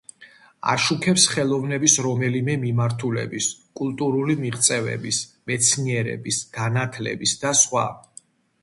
აშუქებს ხელოვნების რომელიმე მიმართულების, კულტურული მიღწევის, მეცნიერების, განათლებისა და სხვა.